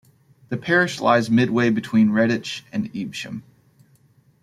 The parish lies midway between Redditch and Evesham.